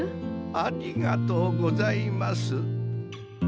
ありがとうございます。